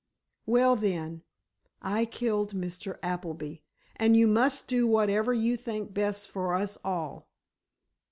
"Well, then, I killed Mr. Appleby, and you must do whatever you think best for us all.